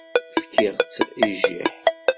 Fkiɣ-tt i jjiḥ.